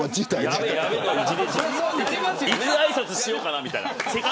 いつ、あいさつしようかなみたいな。